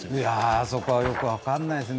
そこはよく分からないですね